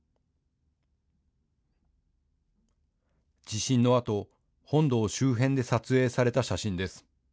地震のあと、本堂周辺で撮影された写真です。